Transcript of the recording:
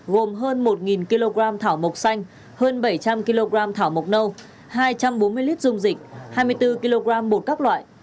gồm hơn một kg thảo mộc xanh hơn bảy trăm linh kg thảo mộc nâu hai trăm bốn mươi lít dung dịch hai mươi bốn kg bột các loại